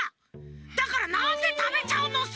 だからなんでたべちゃうのさ！